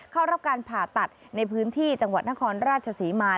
เข้ารับการผ่าตัดในพื้นที่จังหวัดนครราชศรีมา